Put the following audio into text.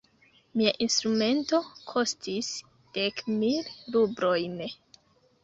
Mia instrumento kostis dek mil rublojn.